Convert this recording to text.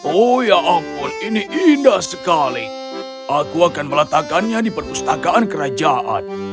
oh ya ampun ini indah sekali aku akan meletakkannya di perpustakaan kerajaan